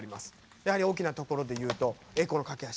やはり大きなところでいうと「栄光の架橋」。